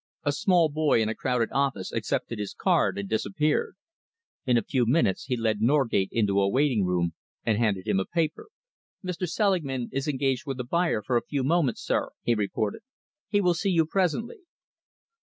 A small boy in a crowded office accepted his card and disappeared. In a few minutes he led Norgate into a waiting room and handed him a paper. "Mr. Selingman is engaged with a buyer for a few moments, sir," he reported. "He will see you presently."